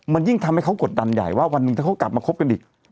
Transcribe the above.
มันยิ่งทำให้เขากดดันใหญ่ว่าวันหนึ่งถ้าเขากลับมาคบกันอีก